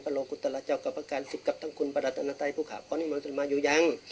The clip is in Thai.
เพราะนี้มันจะมาอยู่ยัง